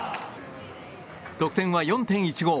得点は４．１５。